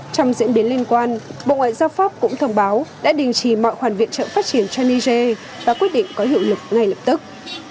trong diễn biến liên quan bộ ngoại giao pháp cũng thông báo đã đình chỉ mọi khoản viện trợ phát triển cho niger và quyết định có hiệu lực ngay lập tức